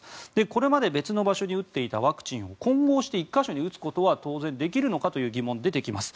これまで別の場所に打っていたワクチンを混合して１か所に打つことはできるのかという疑問が出てきます。